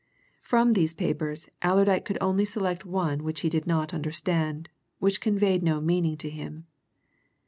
From these papers Allerdyke could only select one which he did not understand, which conveyed no meaning to him.